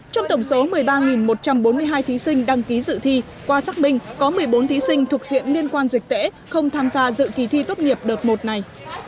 trong tổng số một mươi ba một trăm bốn mươi hai thí sinh đăng ký dự thi qua xác minh có một mươi bốn thí sinh thuộc diện liên quan dịch tễ không tham gia dự kỳ thi tốt nghiệp đợt một này